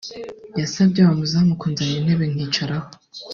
yasabye wa muzamu kunzanira intebe nkicaraho